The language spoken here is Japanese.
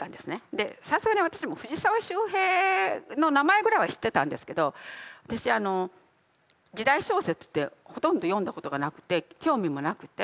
でさすがに私も藤沢周平の名前ぐらいは知ってたんですけど私時代小説ってほとんど読んだことがなくて興味もなくて。